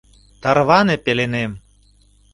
Тарване пеленем